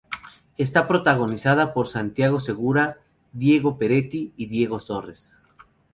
Está protagonizada por Santiago Segura, Diego Peretti y Diego Torres.